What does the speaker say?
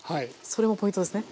それもポイントですね。